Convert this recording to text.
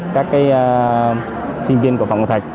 các sinh viên của phòng hồ thạch